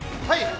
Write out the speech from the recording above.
はい！